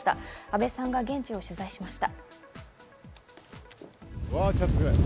阿部さんが現地を取材しました。